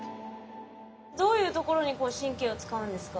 どういうところに神経を使うんですか？